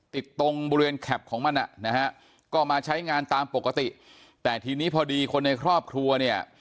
ตรงบริเวณแคปของมันอ่ะนะฮะก็มาใช้งานตามปกติแต่ทีนี้พอดีคนในครอบครัวเนี่ย